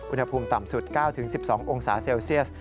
อุณหภูมิต่ำสุด๙๑๒องศาเซลเซียส